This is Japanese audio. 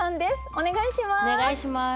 お願いします。